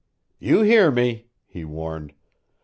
"You hear me," he warned.